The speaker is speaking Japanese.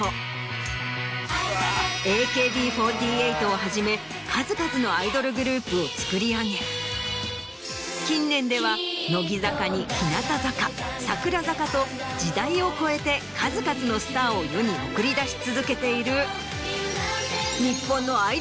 ＡＫＢ４８をはじめ数々のアイドルグループをつくり上げ近年では乃木坂に日向坂櫻坂と時代を超えて数々のスターを世に送り出し続けている。